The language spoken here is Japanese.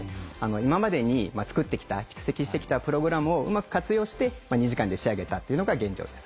今までに作ってきた蓄積してきたプログラムをうまく活用して２時間で仕上げたっていうのが現状です。